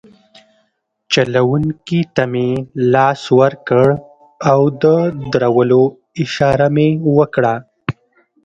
چلونکي ته مې لاس ورکړ او د درولو اشاره مې وکړه.